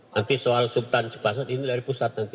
nanti soal subtan subbasan ini dari pusat nanti